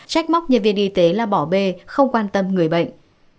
trách móc nhân viên y tế là bỏ bê không quan tâm người bệnh